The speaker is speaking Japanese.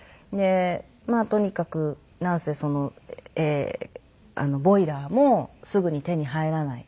まあとにかくなんせそのボイラーもすぐに手に入らない。